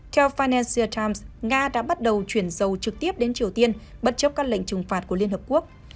theo fannel sie times nga đã bắt đầu chuyển dầu trực tiếp đến triều tiên bất chấp các lệnh trừng phạt của liên hợp quốc